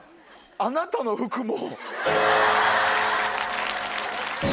あなたの服も。